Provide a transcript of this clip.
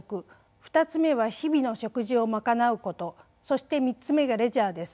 ２つ目は日々の食事を賄うことそして３つ目がレジャーです。